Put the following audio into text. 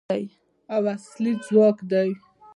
او اصلي ځواک دی.